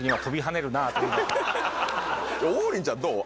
王林ちゃんどう？